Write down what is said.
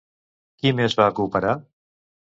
Qui més va cooperar?